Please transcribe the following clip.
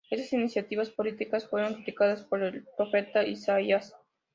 Estas iniciativas políticas fueron criticadas por el profeta Isaías.